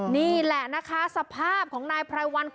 นี่แหละนะคะสภาพของนายไพรวัน